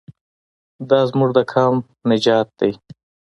دا زموږ د قام نجات دی.